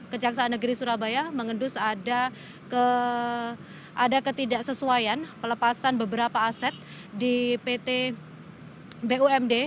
kejaksaan negeri surabaya mengendus ada ketidaksesuaian pelepasan beberapa aset di pt bumd